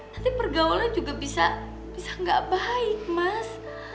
nanti pergaulannya juga bisa gak baik mas